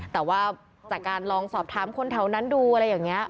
แต่ว่าจากการลองสอบถามคนแถวนั้นดูอะไรอย่างนี้